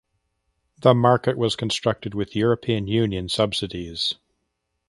The market was constructed with European Union subsidies.